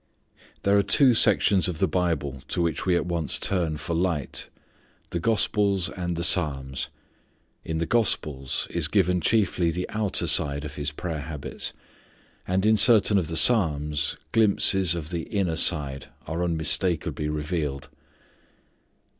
There are two sections of the Bible to which we at once turn for light, the gospels and the Psalms. In the gospels is given chiefly the outer side of His prayer habits; and in certain of the Psalms, glimpses of the inner side are unmistakably revealed.